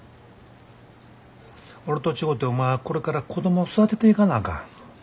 俺と違てお前はこれから子供を育てていかなあかん。